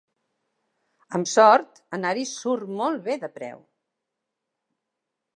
Amb sort, anar-hi surt molt bé de preu.